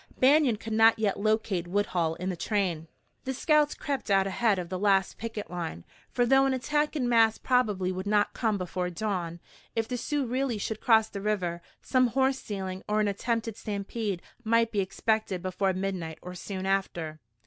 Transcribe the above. Banion could not yet locate Woodhull in the train. The scouts crept out ahead of the last picket line, for though an attack in mass probably would not come before dawn, if the Sioux really should cross the river, some horse stealing or an attempted stampede might be expected before midnight or soon after.